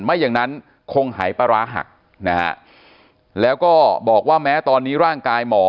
ไม่อย่างนั้นคงหายปลาร้าหักนะฮะแล้วก็บอกว่าแม้ตอนนี้ร่างกายหมอ